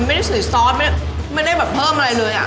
ไม่ได้ใส่ซอสไม่ได้แบบเพิ่มอะไรเลยอ่ะ